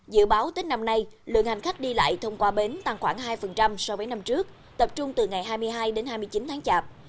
dự báo tết năm nay lượng hành khách đi lại thông qua bến tăng khoảng hai so với năm trước tập trung từ ngày hai mươi hai đến hai mươi chín tháng chạp